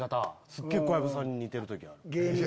すっげぇ小籔さんに似てる時ある。